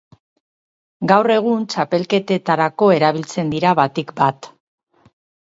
Gaur egun txapelketetarako erabiltzen dira, batik bat.